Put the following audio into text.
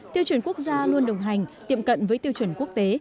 tiêu chuẩn quốc gia luôn đồng hành tiệm cận với tiêu chuẩn quốc tế